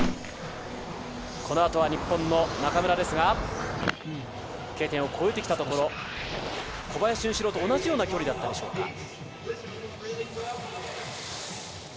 このあとは日本の中村ですが、Ｋ点を越えてきたところ、小林潤志郎と同じような距離だったでしょうか。